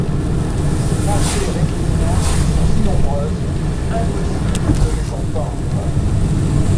Ces pensées récriminantes sont si nombreuses qu’il est impossible de les entendre.